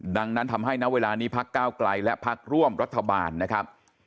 ดังนั้นทำให้ณเวลานี้พักก้าวไกลและพักร่วมรัฐบาลนะครับ